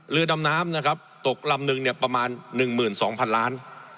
เรือดำน้ำนะครับตกลำหนึ่งเนี่ยประมาณหนึ่งหมื่นสองพันล้าน